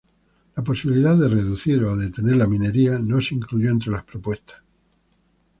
La posibilidad de reducir o detener la minería no se incluyó entre las propuestas.